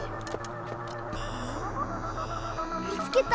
見つけた！